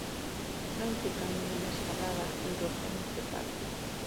No implica ninguna escalada en roca ni trepada.